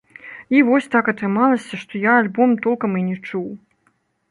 І вось так атрымалася, што я альбом толкам і не чуў.